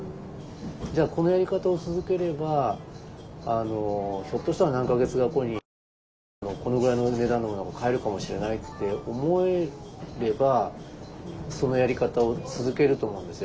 じゃあこのやり方を続ければひょっとしたら何か月か後にこのぐらいの値段のものが買えるかもしれないって思えればそのやり方を続けると思うんですよ。